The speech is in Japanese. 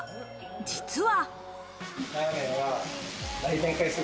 実は。